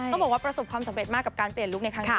ต้องบอกว่าประสบความสำเร็จมากกับการเปลี่ยนลุคในครั้งนี้